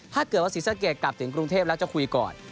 ถ้าเกิดว่าศรีสะเกดกลับถึงกรุงเทพแล้วจะคุยก่อน